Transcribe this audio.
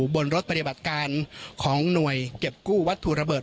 บนรถปฏิบัติการของหน่วยเก็บกู้วัตถุระเบิด